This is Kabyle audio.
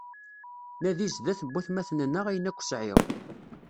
Nadi zdat n watmaten-nneɣ ayen akk sɛiɣ.